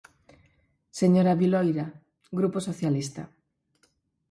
Señora Viloira, Grupo Socialista.